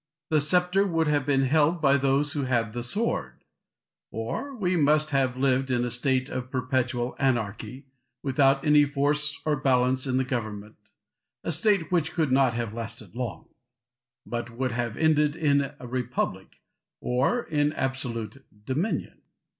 The sceptre would have been held by those who had the sword; or we must have lived in a state of perpetual anarchy, without any force or balance in the government; a state which could not have lasted long, but would have ended in a republic or in absolute dominion.